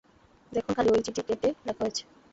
দেখুন, খালি ওই চিঠিই কেটে লেখা হয়েছে।